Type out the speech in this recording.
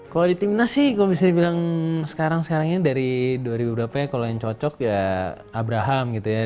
kalau di timnas sih gue bisa bilang sekarang sekarangnya dari dua ribu beberapa ya kalau yang cocok ya abraham gitu ya